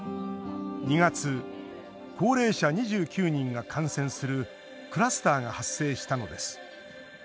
２月、高齢者２９人が感染するクラスターが発生したのです。